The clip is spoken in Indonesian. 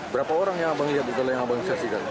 berapa orang yang abang lihat itu